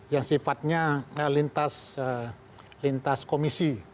yang sifatnya lintas komisi